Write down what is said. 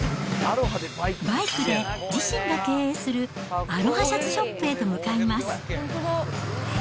バイクで自身が経営するアロハシャツショップへと向かいます。